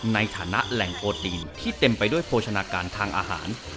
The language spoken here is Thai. ในฐานะแหล่งโปรตีนที่เต็มไปด้วยโภชนาการทางอาหาร